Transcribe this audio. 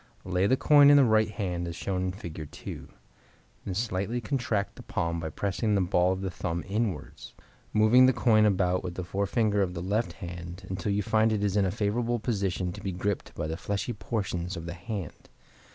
Lay the coin in the right hand as shown in Fig. 2. Then slightly contract the palm by pressing the ball of the thumb inwards, moving the coin about with the forefinger of the left hand until you find it is in a favorable position to be gripped by the fleshy portions of the hand.